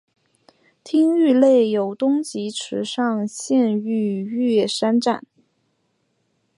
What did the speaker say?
町域内有东急池上线御岳山站。